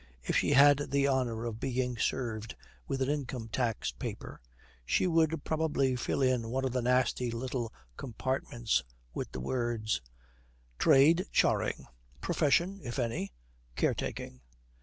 If she had the honour of being served with an income tax paper she would probably fill in one of the nasty little compartments with the words, 'Trade charring; Profession (if any) caretaking.'